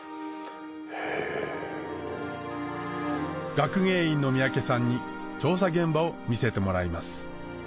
学芸員の三宅さんに調査現場を見せてもらいます